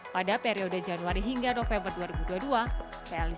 pada periode januari hingga november dua ribu dua puluh dua